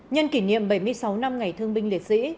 nhân kỷ niệm bảy mươi sáu năm ngày thương binh liệt sĩ